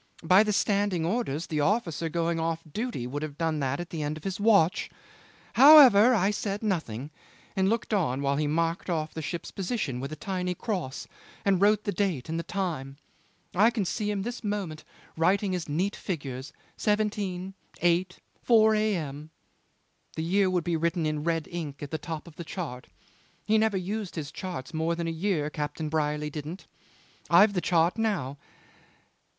By the standing orders, the officer going off duty would have done that at the end of his watch. However, I said nothing, and looked on while he marked off the ship's position with a tiny cross and wrote the date and the time. I can see him this moment writing his neat figures: seventeen, eight, four A.M. The year would be written in red ink at the top of the chart. He never used his charts more than a year, Captain Brierly didn't. I've the chart now.